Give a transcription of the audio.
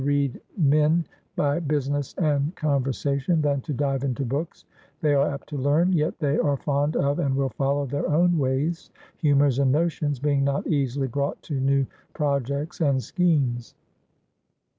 ALEXANDER SPOTSWOOD 821 Men by Business and Conversation, than to dive into Books ••• they are apt to learn, yet they are fond of and will follow their own Ways, Hu mours and Notions, being not easily brought to new Projects and Schemes.